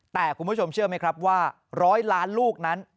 แต่คุณผู้ชมเชื่อไหมครับว่า๑๐๐ล้านลูกนั้น